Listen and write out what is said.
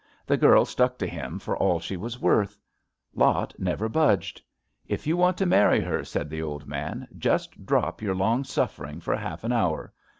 The girl stuck to him for all she was worth. Lot never budged. * If you want to marry her,' said the old man, * just drop your long suffering for half an hour.